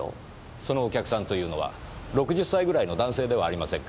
そのお客さんというのは６０歳ぐらいの男性ではありませんか？